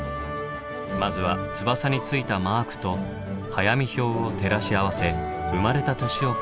まずは翼についたマークと早見表を照らし合わせ生まれた年を確認。